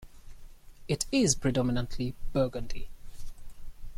It is predominantly burgundy.